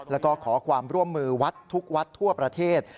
แล้วก็ขอความร่วมมือวัดทุกวัดทั่วประเทศ